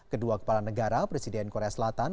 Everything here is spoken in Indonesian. kedua kepala negara presiden korea selatan